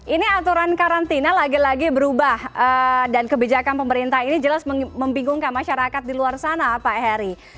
ini aturan karantina lagi lagi berubah dan kebijakan pemerintah ini jelas membingungkan masyarakat di luar sana pak heri